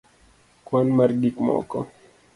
kwan mar gik moko